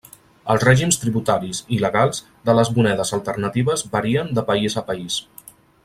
Els règims tributaris i legals de les monedes alternatives varien de país a país.